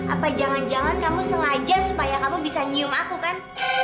apa jangan jangan kamu sengaja supaya kamu bisa nyium aku kan